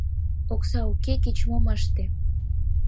Окса уке, кеч-мом ыште.